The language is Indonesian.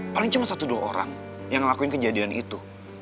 paling cuma satu dua orang yang ngelakuin kejadian itu